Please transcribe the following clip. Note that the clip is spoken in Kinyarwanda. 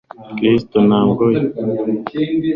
Kristo ntabwo yavuguruzaga inyigisho ze